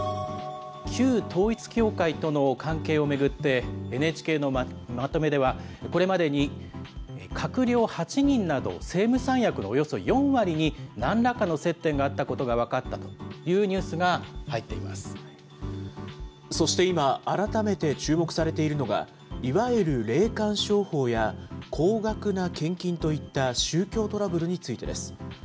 旧統一教会との関係を巡って、ＮＨＫのまとめでは、これまでに閣僚８人など、政務三役のおよそ４割に、なんらかの接点があったことが分かったというニュースが入っていそして今、改めて注目されているのが、いわゆる霊感商法や高額な献金といった、宗教トラブルについてです。